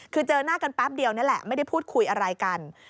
คือเจอหน้ากันแป๊บเดียวนั่นแหละไม่ได้พูดคุยอะไรกัน